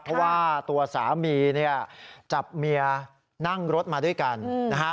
เพราะว่าตัวสามีเนี่ยจับเมียนั่งรถมาด้วยกันนะฮะ